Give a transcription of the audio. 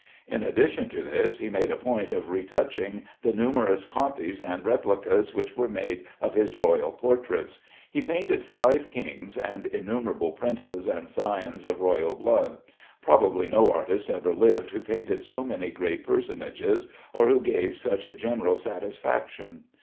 In addition to this he made a point of retouching the numerous copies and replicas which were made of his royal portraits. He painted five kings and innumerable princes and scions of royal blood. Probably no artist ever lived who painted so many great personages, or who gave such general satisfaction.